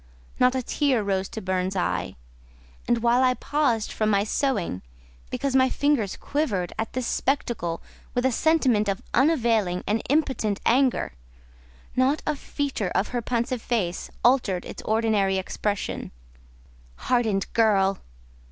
Not a tear rose to Burns' eye; and, while I paused from my sewing, because my fingers quivered at this spectacle with a sentiment of unavailing and impotent anger, not a feature of her pensive face altered its ordinary expression. "Hardened girl!"